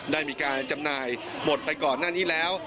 ได้มีการจำหน่ายหมดไปก่อนหน้านี้แล้ว